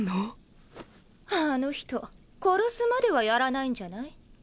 あの人殺すまではやらないんじゃない？